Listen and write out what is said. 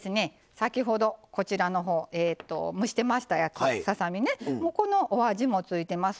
先ほどこちらの方蒸してましたやつをささ身ねもうこのお味も付いてます。